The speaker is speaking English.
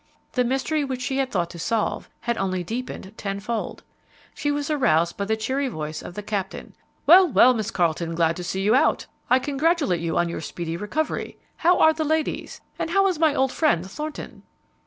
The mystery which she had thought to solve had only deepened tenfold. She was aroused by the cheery voice of the captain. "Well, well, Miss Carleton, glad to see you out! I congratulate you on your speedy recovery. How are the ladies? and how is my old friend Thornton?"